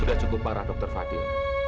sudah cukup parah dr fadil